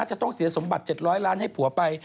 จะต้องเสียสมบัติ๗๐๐ล้านให้ผัวไป